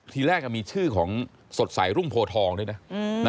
ทีแรกมีชื่อของสดใสรุ่งโพทองด้วยนะ